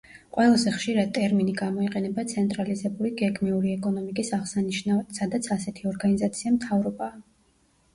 ყველაზე ხშირად ტერმინი გამოიყენება ცენტრალიზებული გეგმიური ეკონომიკის აღსანიშნავად, სადაც ასეთი ორგანიზაცია მთავრობაა.